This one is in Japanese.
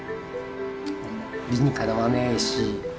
理にかなわないし。